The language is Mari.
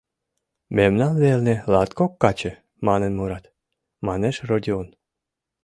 — Мемнан велне «латкок каче» манын мурат, — манеш Родион.